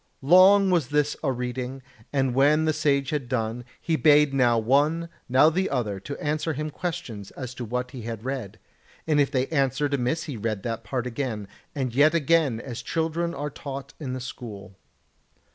Long was this a reading, and when the Sage had done, he bade now one, now the other answer him questions as to what he had read; and if they answered amiss he read that part again, and yet again, as children are taught in the school.